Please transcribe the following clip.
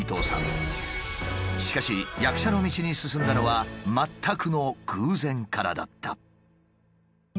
しかし役者の道に進んだのは全くの偶然からだった。